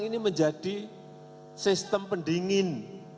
ini menjadi sistem pendingin